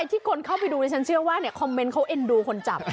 ที่คนเข้าไปดูดิฉันเชื่อว่าคอมเมนต์เขาเอ็นดูคนจับ